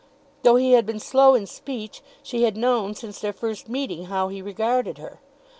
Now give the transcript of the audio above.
Though he had been slow in speech, she had known since their first meeting how he regarded her!